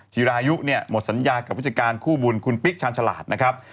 จิรายุเนี่ยหมดสัญญากับผู้จัดการคู่บุญคุณปิ๊กชาญฉลาดนะครับ